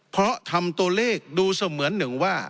เพราะทำตัวเลขดูเสมือนหนึ่งว่า